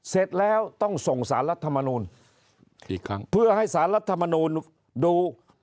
เสร็จแล้วต้องส่งสารรัฐมนุนเพื่อให้สารรัฐมนุนดู